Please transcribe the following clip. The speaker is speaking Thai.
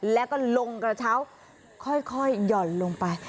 แล้วก็ลงกระเช้าค่อยหย่อนลงไป